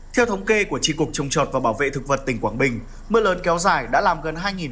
theo thống kê của tri cục trồng chọt và bảo vệ thực vật tỉnh quảng bình mưa lớn kéo dài đã làm gần hai m